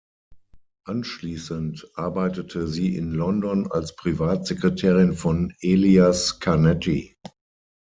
Anschliessend arbeitete sie in London als Privatsekretärin von Elias Canetti.